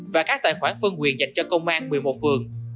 và các tài khoản phân quyền dành cho công an một mươi một phường